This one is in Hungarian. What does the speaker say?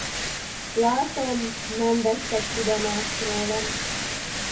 Látom, nem vesztek tudomást rólam.